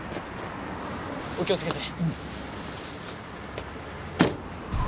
お気をつけて。